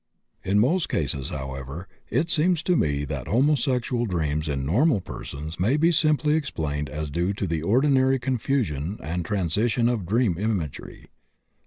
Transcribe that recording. In most cases, however, it seems to me that homosexual dreams in normal persons may be simply explained as due to the ordinary confusion and transition of dream imagery.